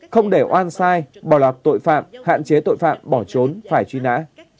không để oan sai bỏ lọt tội phạm hạn chế tội phạm bỏ trốn phải truy nã